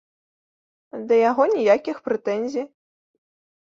Да яго ніякіх прэтэнзій.